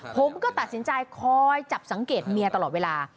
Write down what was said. ผมก็ตัดสินใจคอยจับสังเกตเมียตลอดเวลา